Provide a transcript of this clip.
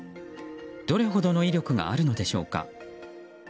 どれほどの威力があるのでしょうか。